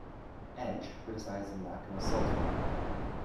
"Edge" criticized the lack of Assault mode.